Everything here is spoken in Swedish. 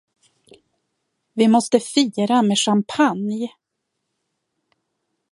Vi måste fira med champagne!